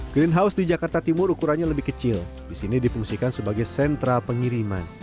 greenhouse di jakarta timur ukurannya lebih kecil di sini difungsikan sebagai sentra pengiriman